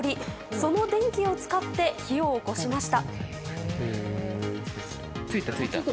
その電気を使って火を起こしました。